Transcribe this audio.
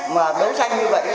mà đấu tranh như vậy